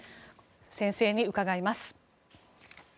先生に伺います。